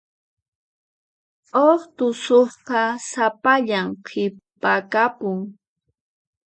Huk tusuqqa sapallan qhipakapun.